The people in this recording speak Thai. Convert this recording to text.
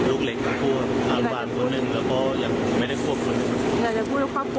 อืม